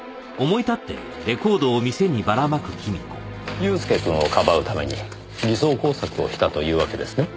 祐介くんをかばうために偽装工作をしたというわけですね。